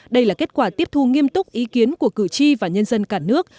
đây là kết quả tiếp thu nghiêm túc ý kiến của cử tri và nhân dân cả nước